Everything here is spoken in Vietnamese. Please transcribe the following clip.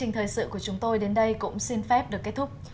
chương trình thời sự của chúng tôi đến đây cũng xin phép được kết thúc